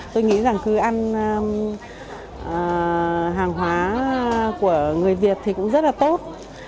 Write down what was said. tôi nghĩ rằng cứ ăn hàng hóa của người việt thì cũng rất là tốt